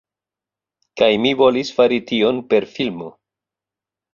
Kaj mi volis fari tion per filmo.